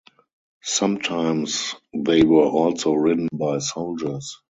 Sometimes they were also ridden by soldiers.